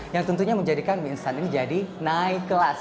yang tentunya menjadikan mie instan ini jadi naik kelas